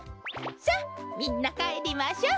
さっみんなかえりましょう。